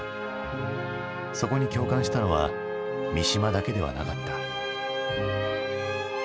そこに共感したのは三島だけではなかった。